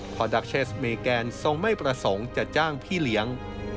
เพราะดักเชสเมแกนทรงไม่ประสงค์จะจ้างพี่เลี้ยง